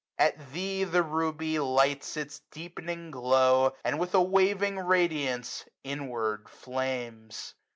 At thee the Ruby lights its deepening glow, And with a waving radiance inward flames.